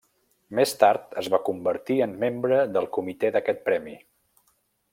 Més tard, es va convertir en membre del comitè d'aquest premi.